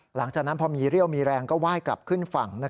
หลังจากนั้นพอมีเรี่ยวมีแรงก็ไหว้กลับขึ้นฝั่ง